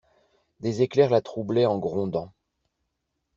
Des éclairs la troublaient en grondant.